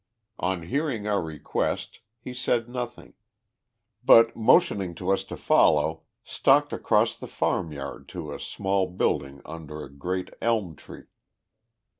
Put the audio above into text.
On hearing our request, he said nothing, but, motioning to us to follow, stalked across the farmyard to a small building under a great elm tree.